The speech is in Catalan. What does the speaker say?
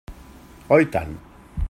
Oi tant!